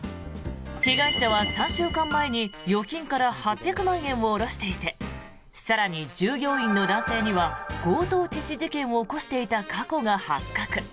被害者は３週間前に預金から８００万円を下ろしていて更に、従業員の男性には強盗致死事件を起こしていた過去が発覚。